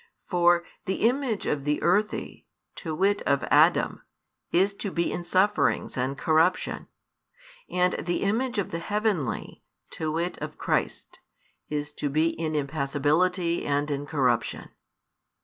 For the image of the earthy, to wit of Adam, is to be in sufferings and corruption; and the image of the heavenly, to wit of Christ, is to be in impassibility and incorruption.